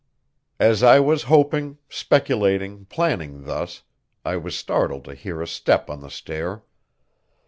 As I was hoping, speculating, planning thus, I was startled to hear a step on the stair.